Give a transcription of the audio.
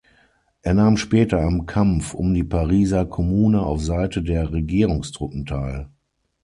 Er nahm später am Kampf um die Pariser Kommune auf Seite der Regierungstruppen teil.